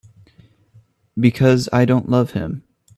Because I don't love him.